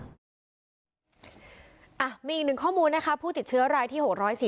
อีกหนึ่งข้อมูลนะคะผู้ติดเชื้อรายที่๖๔